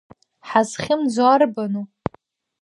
Ҳазхьымӡо арбану?